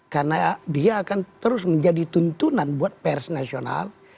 karena dia akan terus menjadi tuntunan buat pers nasional